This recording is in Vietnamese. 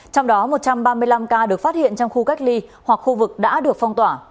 trong đó một trăm ba mươi năm ca được phát hiện trong khu cách ly hoặc khu vực đã được phong tỏa